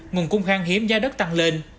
nguồn cung khang hiếm gia đất tăng lên